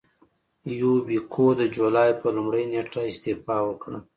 یوبیکو د جولای پر لومړۍ نېټه استعفا وکړه.